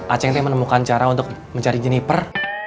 aceh menemukan cara untuk mencari jeniper